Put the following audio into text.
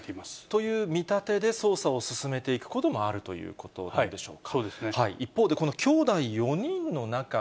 という見立てで捜査を進めていくこともあるということでしょうか。